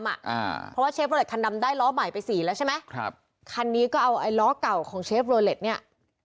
เพราะว่าเชฟโรเล็ตคันดำได้ล้อใหม่ไปสี่แล้วใช่ไหมครับคันนี้ก็เอาไอ้ล้อเก่าของเชฟโรเล็ตเนี่ย